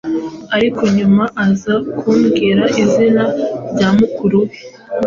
ariko nyuma aza kumbwira izina rya mukuru we